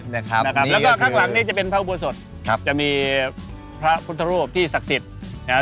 แล้วก็ข้างหลังนี้จะเป็นพระอุปสรรคจะมีพระพุทธรูปที่ศักดิ์สิทธิ์